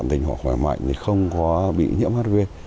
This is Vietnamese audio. tình họ khỏe mẹ thì không có bị nhiễm hiv